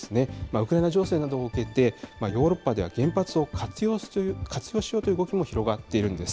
ウクライナ情勢などを受けて、ヨーロッパでは原発を活用しようという動きも広がっているんです。